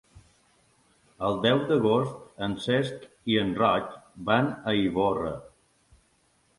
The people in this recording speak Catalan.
El deu d'agost en Cesc i en Roc van a Ivorra.